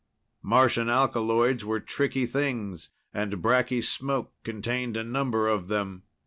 Martian alkaloids were tricky things, and bracky smoke contained a number of them.